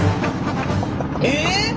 えっ！？